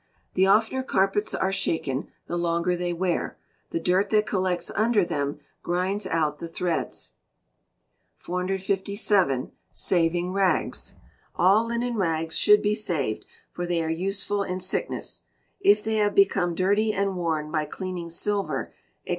The oftener carpets are shaken the longer they wear; the dirt that collects under them grinds out the threads. 457. Saving Rags. All linen rags should be saved, for they are useful in sickness. If they have become dirty and worn by cleaning silver, &c.